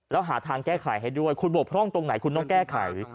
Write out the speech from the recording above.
แล้วหาทางแก้ไขให้ด้วยคุณบกพร่องตรงไหนคุณต้องแก้ไข